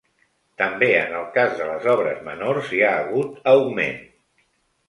També en el cas de les obres menors hi ha hagut augment.